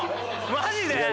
マジで？